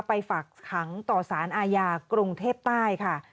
ฝากขังต่อสารอาญากรุงเทพใต้ค่ะ